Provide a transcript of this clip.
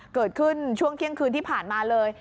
เกิดขึ้นช่วงเที่ยงคืนที่ผ่านมาเลย